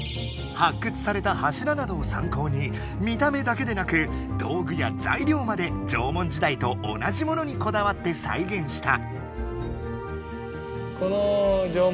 発掘された柱などを参考に見た目だけでなく道具やざいりょうまで縄文時代と同じものにこだわってさいげんした。